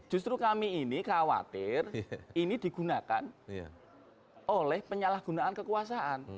justru kami ini khawatir ini digunakan oleh penyalahgunaan kekuasaan